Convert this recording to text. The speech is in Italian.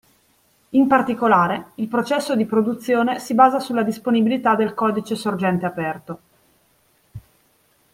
In particolare, il processo di produzione si basa sulla disponibilità del codice sorgente aperto.